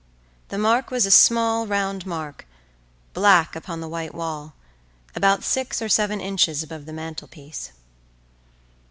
The mark was a small round mark, black upon the white wall, about six or seven inches above the mantelpiece.